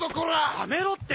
やめろって！